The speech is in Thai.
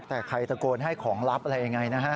แต่ใครตะโกนให้ของลับอะไรยังไงนะฮะ